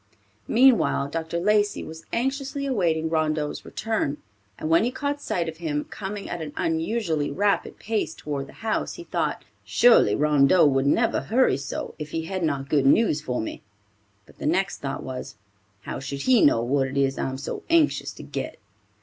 Meanwhile Dr. Lacey was anxiously awaiting Rondeau's return, and when he caught sight of him, coming at an unusually rapid pace toward the house, he thought, "Surely Rondeau would never hurry so if he had not good news for me," but the next thought was, "How should he know what it is I am so anxious to get?"